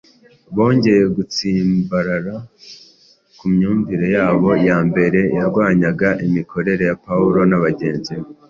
bongeye gutsimbarara ku myumvire yabo ya mbere yarwanyaga imikorere ya Pawulo na bagenzi be.